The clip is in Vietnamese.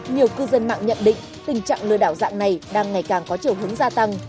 nhiều cư dân mạng nhận định tình trạng lừa đảo dạng này đang ngày càng có chiều hướng gia tăng